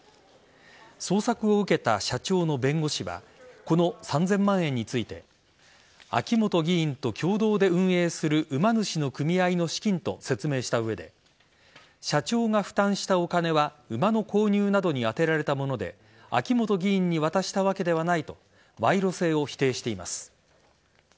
捜索を受けた社長の弁護士はこの３０００万円について秋本議員と共同で運営する馬主の組合の資金と説明した上で社長が負担したお金は馬の購入などに充てられたもので秋本議員に渡したわけではないと賄賂性を否定しています。